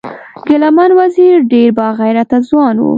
ګلمن وزیر ډیر با غیرته ځوان و